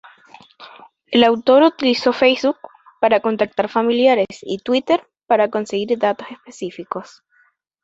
El autor utilizó Facebook para contactar familiares y Twitter para conseguir datos específicos.